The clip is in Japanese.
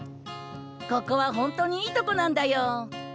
ここは本当にいいとこなんだよ。